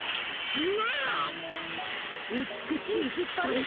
美しいつっぱり！